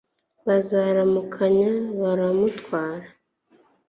barazamuka baramutwara